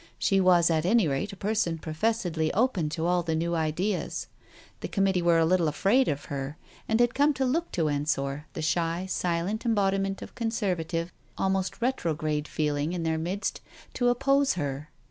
She was at any rate a person professedly open to all the new ideas. The Committee were a little afraid of her, and had come to look to Ensor, the shy silent embodiment of Conserva tive, almost retrograde feeling in their midst, to oppose her.